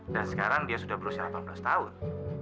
dan sekarang dia sudah berusia delapan belas tahun